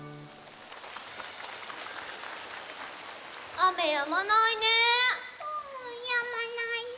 あめやまないね。